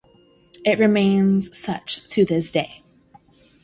It remains such to this day.